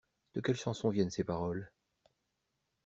De quelle chanson viennent ces paroles?